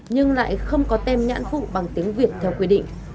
nhưng lại không có tem nhãn phụ bằng tiếng việt theo quy định